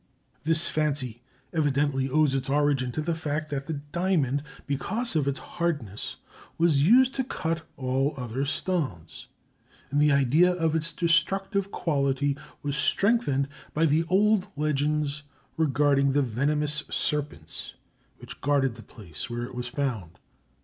This fancy evidently owes its origin to the fact that the diamond, because of its hardness, was used to cut all other stones, and the idea of its destructive quality was strengthened by the old legends regarding the venomous serpents which guarded the place where it was found.